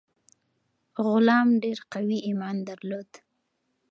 غلام ډیر قوي ایمان درلود.